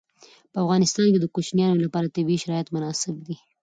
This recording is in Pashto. په افغانستان کې د کوچیانو لپاره طبیعي شرایط مناسب دي.